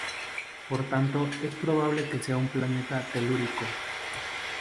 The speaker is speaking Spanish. Por tanto, es probable que sea un planeta telúrico.